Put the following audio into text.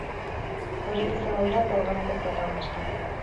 Horiek izango dira programako protagonistak.